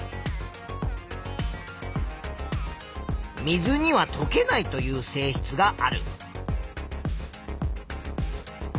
水にはとけないという性質がある。